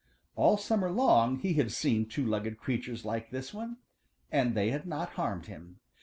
All summer long he had seen two legged creatures like this one, and they had not harmed him.